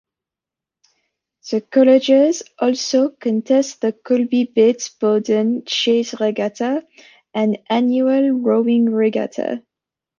The colleges also contest the Colby-Bates-Bowdoin Chase Regatta, an annual rowing regatta.